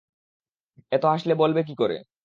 এত হাসলে বলবে কী করে?